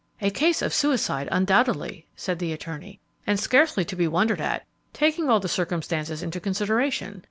"A case of suicide, undoubtedly," said the attorney "and scarcely to be wondered at, taking all the circumstances into consideration.